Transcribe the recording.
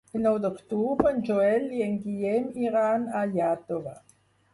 El nou d'octubre en Joel i en Guillem iran a Iàtova.